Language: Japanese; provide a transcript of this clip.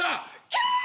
キャー！